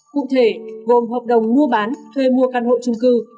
cụ thể gồm hợp đồng mua bán thuê mua căn hộ trung cư